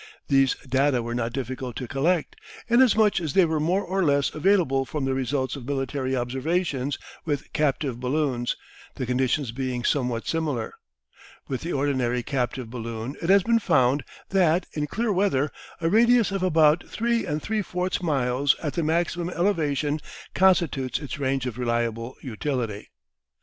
These data were not difficult to collect, inasmuch as they were more or less available from the results of military observations with captive balloons, the conditions being somewhat similar. With the ordinary captive balloon it has been found that, in clear weather, a radius of about 3 3/4 miles at the maximum elevation constitutes its range of reliable utility.